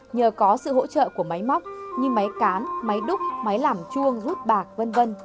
nhờ có sự hỗ trợ của máy móc như máy cán máy đúc máy làm chuông rút bạc v v